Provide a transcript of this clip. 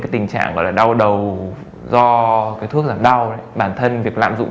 cái tình trạng gọi là đau đầu do cái thuốc giảm đau đấy bản thân việc lạm dụng